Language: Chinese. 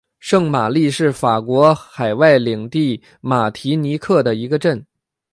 圣玛丽是法国海外领地马提尼克的一个镇。